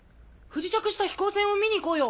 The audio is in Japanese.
不時着した飛行船を見に行こうよ。